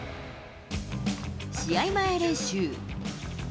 試合前練習。